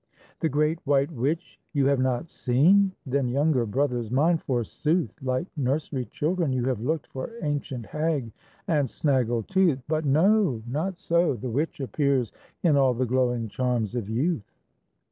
The great white witch you have not seen? Then, younger brothers mine, forsooth, Like nursery children you have looked For ancient hag and snaggle tooth; But no, not so; the witch appears In all the glowing charms of youth.